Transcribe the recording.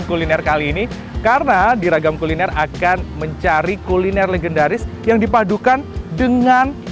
kuliner kali ini karena di ragam kuliner akan mencari kuliner legendaris yang dipadukan dengan